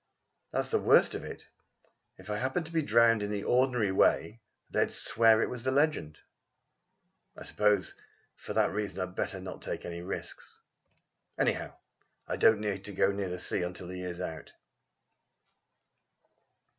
"That's the worst of it! If I happened to be drowned in the ordinary way they'd swear it was the legend. I suppose, for that reason, I had better not take any risks. Anyhow, I needn't go near the sea until the year is out!"